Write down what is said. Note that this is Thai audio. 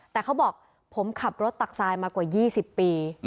แต่เขาบอกผมขับรถตักทรายมากว่า๒๐ปี